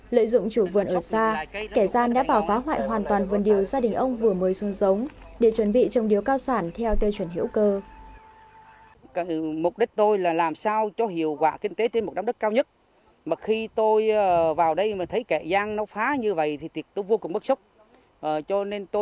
lợi dụng chủ vườn ở xa kẻ gian đã vào phá hoại hoàn toàn vườn điều gia đình ông vừa mới xuống giống để chuẩn bị trồng điếu cao sản theo tiêu chuẩn hữu cơ